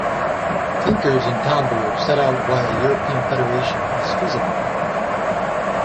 Klinkers and Tombeur set out why a European Federation is feasible.